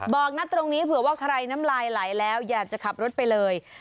บอกนัดตรงนี้เผื่อว่าใครน้ำลายไหลแล้วอยากจะขับรถไปเลย